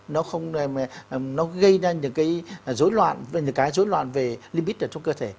nó không gây ra những cái dối loạn về limit trong cơ thể